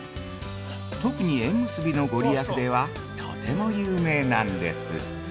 特に縁結びの御利益ではとても有名なんです。